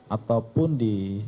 ataupun di kalangan